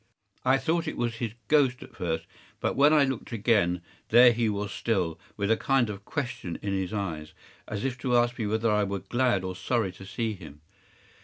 I thought it was his ghost at first; but when I looked again, there he was still, with a kind of question in his eyes as if to ask me whether I were glad or sorry to see him.